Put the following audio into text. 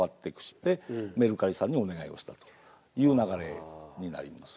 でメルカリさんにお願いをしたという流れになります。